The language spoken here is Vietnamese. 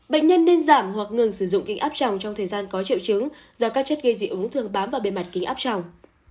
bệnh nhân nên giảm hoặc ngừng sử dụng kinh áp tròng trong thời gian có triệu chứng do các chất gây dị ứng thường bám vào bề mặt kính áp trong